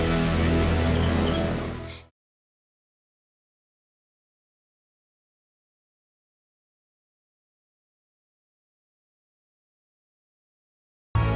ya allah tuhan